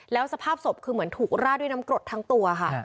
แล้วสภาพศพคือเหมือนถูกราดด้วยน้ำกรดทั้งตัวค่ะ